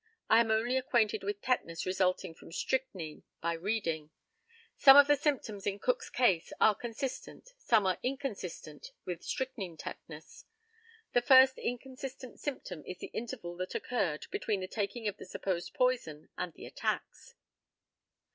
I am only acquainted with tetanus resulting from strychnine by reading. Some of the symptoms in Cook's case are consistent, some are inconsistent, with strychnine tetanus. The first inconsistent symptom is the intervals that occurred between the taking of the supposed poison and the attacks.